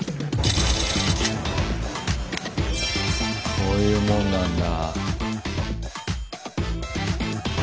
こういうもんなんだ。